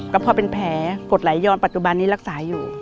ก็เพราะเป็นแผลผดหลายย้อนปัจจุบันนี้รักษาอยู่